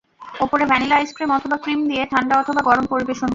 ওপরে vanilla ice cream অথবা cream দিয়ে ঠান্ডা অথবা গরম পরিবেশন করুন।